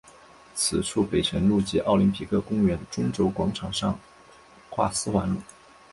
此处北辰路及奥林匹克公园中轴广场上跨四环路。